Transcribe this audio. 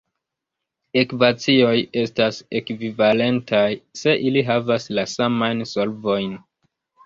Ekvacioj estas "ekvivalentaj", se ili havas la samajn solvojn.